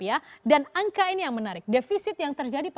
yang satu untuk menuruti kontrigerasi industri interior tenth china